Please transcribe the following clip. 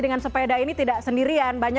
dengan sepeda ini tidak sendirian